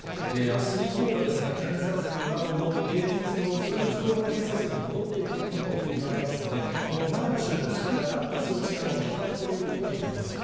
あす以降がですね、検査数なども平日の通常の検査数に戻っていくものと見られますので、この前の週の少なかった数値からの比較ということになります。